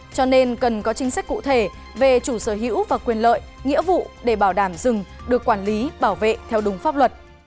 cho nên cần có chính sách cụ thể về chủ sở hữu và quyền lợi nghĩa vụ để bảo đảm rừng được quản lý bảo vệ theo đúng pháp luật